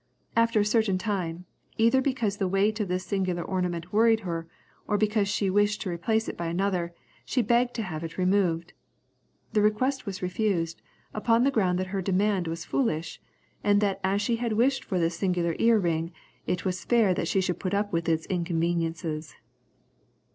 After a certain time, either because the weight of this singular ornament worried her, or because she wished to replace it by another, she begged to have it removed. The request was refused, upon the ground that her demand was foolish, and that as she had wished for this singular ear ring, it was fair that she should put up with its inconveniences.